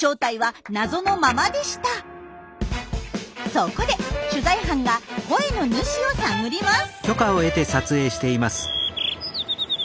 そこで取材班が声の主を探ります。